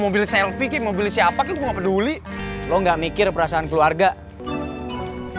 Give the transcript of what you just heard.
mobil selfie mobil siapa gue peduli lo nggak mikir perasaan keluarga keselamatan mama lebih